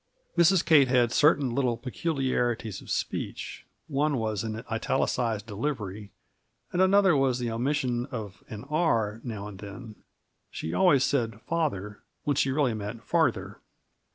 (Mrs. Kate had certain little peculiarities of speech; one was an italicized delivery, and another was the omission of an r now and then. She always said "father" when she really meant "farther.")